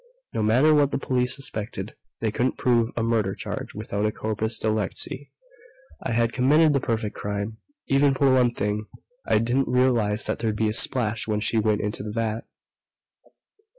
No matter what the police suspected, they couldn't prove a murder charge without a corpus delicti. I had committed the perfect crime except for one thing. I didn't realize that there'd be a splash when she went into the vat."